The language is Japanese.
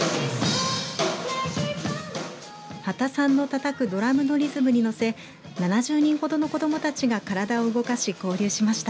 刄田さんのたたくドラムのリズムに乗せ７０人ほどの子どもたちが体を動かし交流しました。